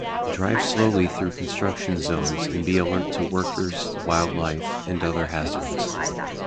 Drive slowly through construction zones and be alert to workers, wildlife, and other hazards.